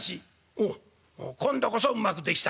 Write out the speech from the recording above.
「おっ今度こそうまくできたか？」。